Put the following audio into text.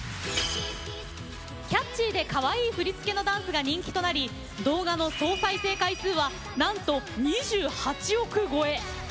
キャッチ―で、かわいい振り付けのダンスが人気となり動画の総再生回数は、なんと２８億超え。